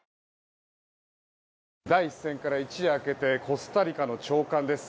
第１戦から一夜明けてコスタリカの朝刊です。